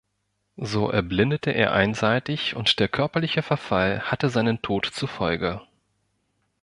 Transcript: So erblindete er einseitig und der körperliche Verfall hatte seinen Tod zur Folge.